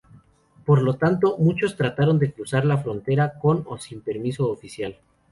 Por lo tanto, muchos trataron de cruzar la frontera, con o sin permiso oficial.